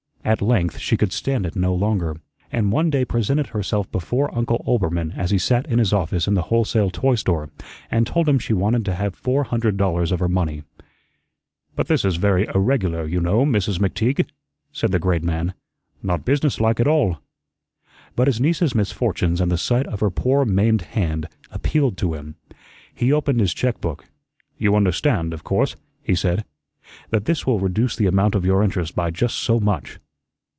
At length she could stand it no longer, and one day presented herself before Uncle Oelbermann as he sat in his office in the wholesale toy store, and told him she wanted to have four hundred dollars of her money. "But this is very irregular, you know, Mrs. McTeague," said the great man. "Not business like at all." But his niece's misfortunes and the sight of her poor maimed hand appealed to him. He opened his check book. "You understand, of course," he said, "that this will reduce the amount of your interest by just so much."